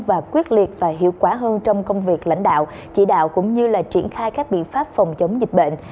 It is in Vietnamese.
và quyết liệt và hiệu quả hơn trong công việc lãnh đạo chỉ đạo cũng như là triển khai các biện pháp phòng chống dịch bệnh